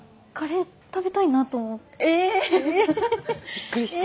びっくりした。